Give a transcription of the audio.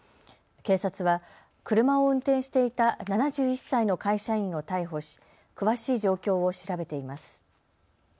警察は車を運転していた７１歳の会社員を逮捕し詳しい状況を調べています。